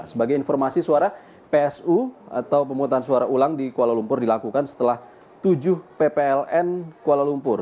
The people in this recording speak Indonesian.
sebagai informasi suara psu atau pemutusan suara ulang di kuala lumpur dilakukan setelah tujuh ppln kuala lumpur